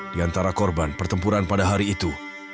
di antara korban pertempuran pada hari itu